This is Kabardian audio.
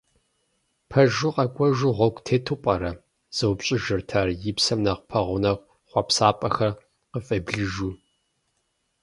«Пэжу, къэкӀуэжу гъуэгу тету пӀэрэ?» — зэупщӀыжырт ар, и псэм нэхъ пэгъунэгъу хъуэпсапӀэхэр къыфӀеблыжу.